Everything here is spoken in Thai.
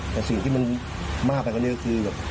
แต่สิ่งที่มันมากไปกันเนี่ยก็คือ